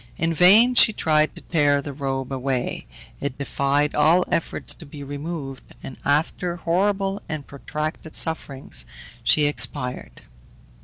In vain she tried to tear the robe away; it defied all efforts to be removed, and after horrible and protracted sufferings, she expired.